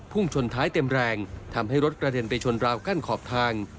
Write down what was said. ชนท้ายเต็มแรงทำให้รถกระเด็นไปชนราวกั้นขอบทาง